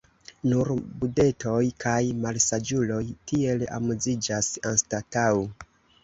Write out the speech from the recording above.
Nur bubetoj kaj malsaĝuloj tiel amuziĝas anstataŭ.